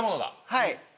はい。